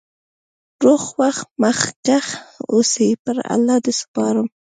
روغ خوښ مخکښ اوسی.پر الله د سپارم